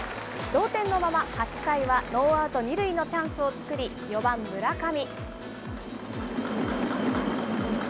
同点のまま８回はノーアウト２塁のチャンスを作り、４番村上。